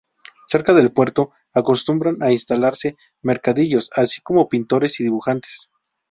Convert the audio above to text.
Cerca del puerto acostumbran a instalarse mercadillos, así como pintores y dibujantes.